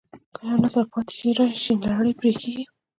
که یو نسل پاتې راشي، لړۍ پرې کېږي.